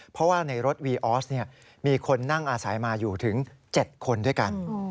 เพราะว่าในรถวีออสมีคนนั่งอาศัยมาอยู่ถึง๗คนด้วยกัน